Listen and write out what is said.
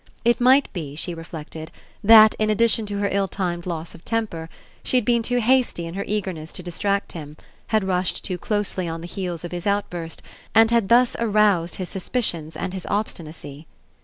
It might be, she reflected, that, in addition to her ill timed loss of temper, she had been too hasty in her eagerness to dis tract him, had rushed too closely on the heels of his outburst, and had thus aroused his sus picions and his obstinacy.